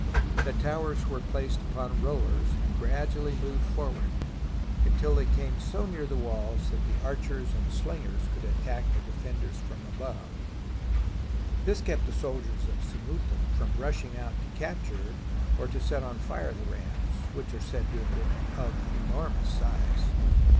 The towers were placed upon rollers and gradually moved forward until they came so near to the walls that the archers and slingers could at tack the defenders from above. This kept the sol diers of Saguntum from rushing out to capture or to set on fire the rams, which are said to have been of enormous size.